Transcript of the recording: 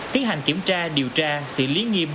tiến hành kiểm tra điều tra xử lý nghiêm